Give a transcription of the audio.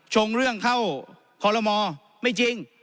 ชงเรื่องเข้าขอรมไม่จริง